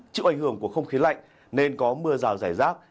chịu ảnh hưởng của không khí lạnh nên có mưa rào rải rác